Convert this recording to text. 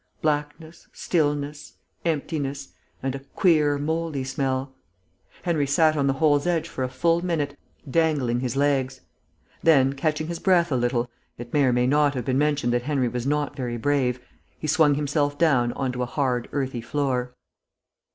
Blackness, stillness, emptiness, and a queer, mouldy smell. Henry sat on the hole's edge for a full minute, dangling his legs. Then, catching his breath a little (it may or may not have been mentioned that Henry was not very brave), he swung himself down on to a hard, earthy floor.